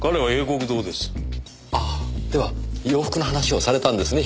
ああでは洋服の話をされたんですね？